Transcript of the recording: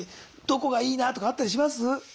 どこがいいなとかあったりします？